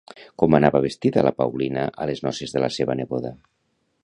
Com anava vestida la Paulina a les noces de la seva neboda?